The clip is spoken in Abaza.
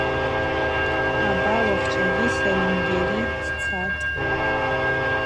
Абар уахьчӏвагьи Сальымгьари дцатӏ.